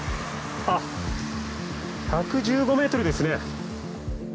あっ１１５ｍですね。